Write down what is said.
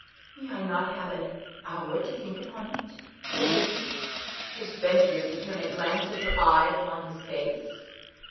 "May I not have an hour to think of it?" said Lizzie, just venturing to turn a glance of her eye upon his face.